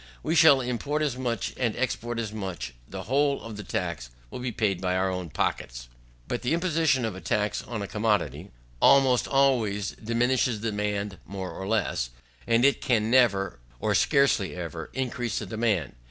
We shall import as much, and export as much; the whole of the tax will be paid out of our own pockets. But the imposition of a tax on a commodity, almost always diminishes the demand more or less; and it can never, or scarcely ever increase the demand.